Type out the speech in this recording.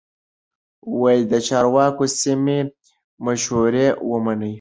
د چارواکو سمې مشورې ومنئ.